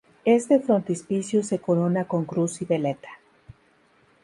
Este frontispicio se corona con cruz y veleta.